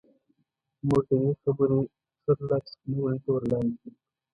موږ د دې خبرې چورلټ سپينولو ته ور لنډ يوو.